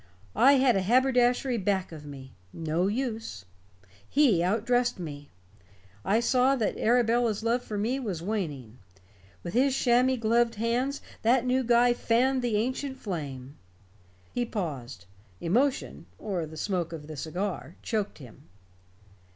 I had a haberdashery back of me. No use. He out dressed me. I saw that Arabella's love for me was waning. With his chamois gloved hands that new guy fanned the ancient flame." He paused. Emotion or the smoke of the cigar choked him.